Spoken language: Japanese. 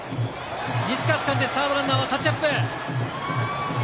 西川がつかんで、サードランナーはタッチアップ。